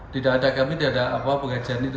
tidak ada kami tidak ada apa pengajian itu